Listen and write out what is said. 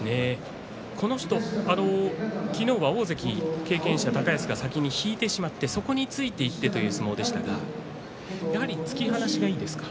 この人、昨日は大関経験者高安が先に引いてしまってそこについていったという相撲でしたがやはり突き離しでいいですか？